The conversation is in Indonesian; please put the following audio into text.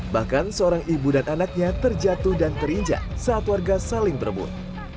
bahkan seorang ibu dan anaknya terjatuh dan terinjak saat warga saling berebut